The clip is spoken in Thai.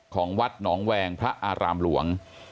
ของวัดหนองแวงพระอารามหลวง